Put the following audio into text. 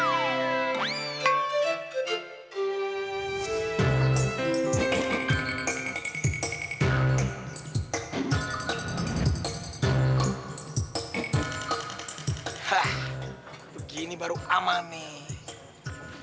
hah begini baharu aman nih